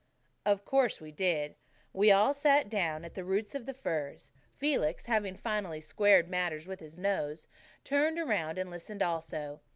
Of course we did. We all sat down at the roots of the firs. Felix, having finally squared matters with his nose, turned around and listened also.